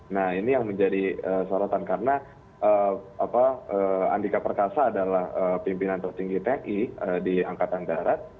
nah ini yang menjadi sorotan karena andika perkasa adalah pimpinan tertinggi tni di angkatan darat